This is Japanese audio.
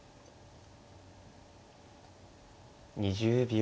２０秒。